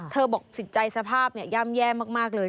เธอบอกสิทธิ์ใจสภาพย่ำแย่มากเลย